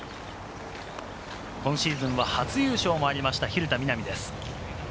今シーズンは初優勝もありました、蛭田みな美です。